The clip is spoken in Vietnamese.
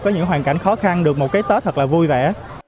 có những hoàn cảnh khó khăn được một cái tết thật là vui vẻ